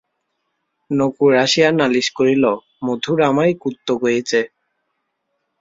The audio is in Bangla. নকুড় আসিয়া নালিশ করিল, মথুর আমায় কুত্তো কয়েছে।